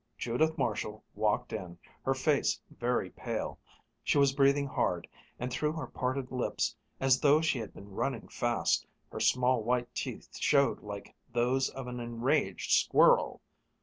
Judith Marshall walked in, her face very pale. She was breathing hard, and through her parted lips, as though she had been running fast, her small white teeth showed like those of an enraged squirrel.